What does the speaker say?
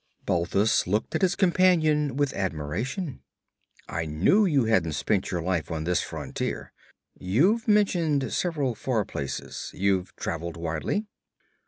Balthus looked at his companion with admiration. 'I knew you hadn't spent your life on this frontier. You've mentioned several far places. You've traveled widely?'